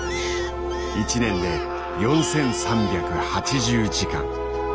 １年で４，３８０時間。